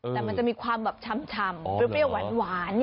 แต่มันจะมีความแบบชำเปรี้ยวหวาน